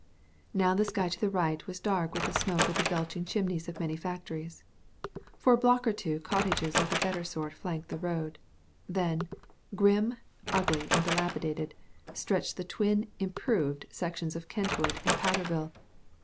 Now the sky to the right was dark with the smoke of the belching chimneys of many factories. For a block or two cottages of the better sort flanked the road; then, grim, ugly and dilapidated, stretched the twin "improved" sections of Kentwood and Powderville.